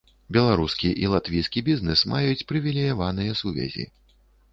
Беларускі і латвійскі бізнэс маюць прывілеяваныя сувязі.